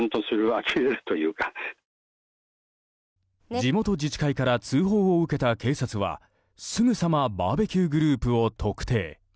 地元自治会から通報を受けた警察はすぐさまバーベキューグループを特定。